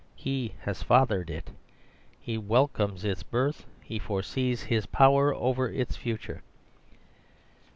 He has fathered it; he welcomes its birth, he foresees his pow er over its future.